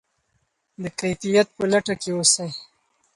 د کیفیت په لټه کې اوسئ.